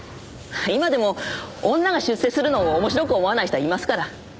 今でも女が出世するのを面白く思わない人はいますから。